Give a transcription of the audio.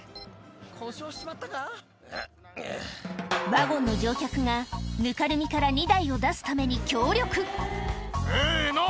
・ワゴンの乗客がぬかるみから２台を出すために協力せの！